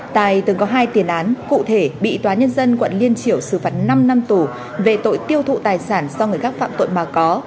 tài từng có hai tiền án cụ thể bị tòa nhân dân quận liên triểu xử phạt năm năm tù về tội tiêu thụ tài sản do người khác phạm tội mà có